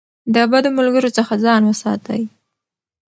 د بدو ملګرو څخه ځان وساتئ.